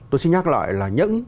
tôi xin nhắc lại là những